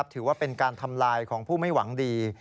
ถือว่าเป็นการทำลายของผู้ไม่หวังดี